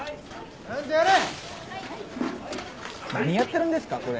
何やってるんですか？